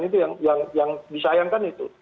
itu yang disayangkan itu